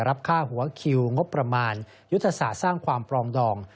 รับค่าหัวคิวงบประมาณยุทธศาสตร์สร้างความปรองดอง